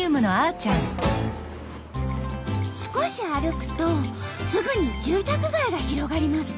少し歩くとすぐに住宅街が広がります。